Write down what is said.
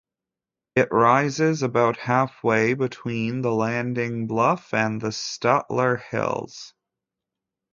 It rises about halfway between the Landing Bluff and the Statler Hills.